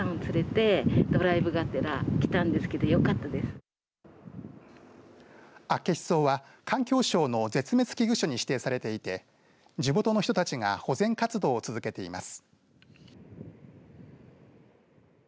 アッケシソウは環境省の絶滅危惧種に指定されていて地元の人たちが保全活動を続けています。